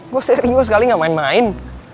gue serius kali nggak main main